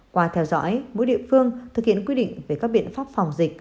qua theo dõi mỗi địa phương thực hiện quy định về các biện pháp phòng dịch